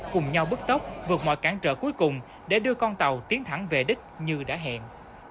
cùng nhau bước tốc vượt mọi cản trở cuối cùng để đưa con tàu tiến thẳng về đích như đã hẹn